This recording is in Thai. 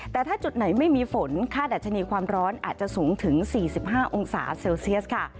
แต่ถ้าจุดไหนไม่มีฝนค่าดัชนีความร้อนอาจจะสูงถึง๔๕องศาเซลเซียสค่ะ